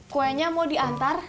kuenya mau diantar